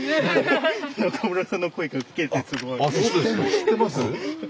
知ってます？